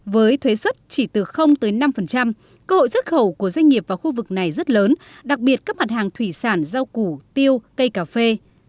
với thuế xuất chỉ từ tới năm cơ hội xuất khẩu của doanh nghiệp vào khu vực này rất lớn đặc biệt các mặt hàng thủy sản rau củ tiêu cây cà phê